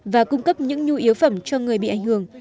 và cung cấp những nhu yếu phẩm cho người bị ảnh hưởng